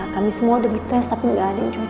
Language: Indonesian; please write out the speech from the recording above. kami semua udah di tes tapi gak ada yang di ucapkan